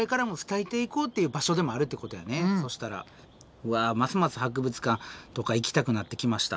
うわますます博物館とか行きたくなってきました。